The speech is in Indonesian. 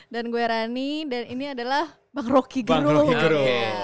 dan gue rani dan ini adalah bang roky gerung